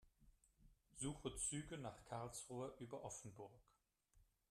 Suche Züge nach Karlsruhe über Offenburg.